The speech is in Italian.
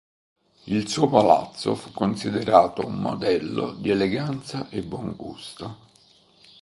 Il suo palazzo fu considerato un modello di eleganza e buon gusto.